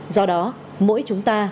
do đó mỗi chúng ta